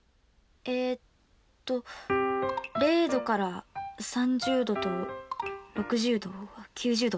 えっと０°から３０°と６０°９０°。